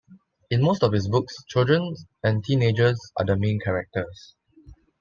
In most of his books, children and teenagers are the main characters.